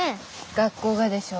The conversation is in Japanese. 学校がでしょ？